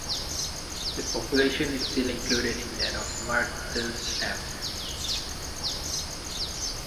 The population is still included in that of Martlesham.